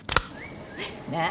何？